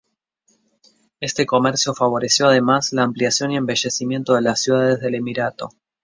Este comercio favoreció además la ampliación y embellecimiento de las ciudades del emirato.